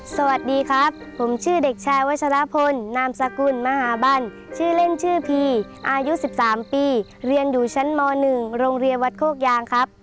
สวัสดีครับผมชื่อเด็กชายวัชรพลนามสกุลมหาบันชื่อเล่นชื่อพีอายุ๑๓ปีเรียนอยู่ชั้นม๑โรงเรียนวัดโคกยางครับ